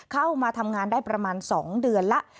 เข้ามาทำงานได้ประมาณ๒เดือนแล้ว